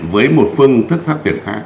với một phương thức xét tuyển khác